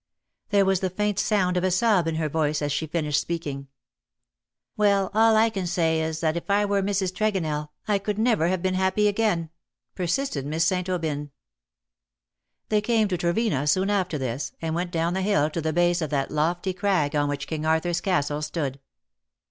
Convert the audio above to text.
There was the faint sound of a sob in her voice as she finished speaking. "Well, all I can say is that if I were Mrs. p2 212 ^' HIS LADY SMILES ; Tregonell,, I could never have been happy agaiD/' persisted Miss St. Aubyn. They came to Trevena soon after this^ and went down the hill to the base of that lofty crag on which King Arthur^s Castle stood.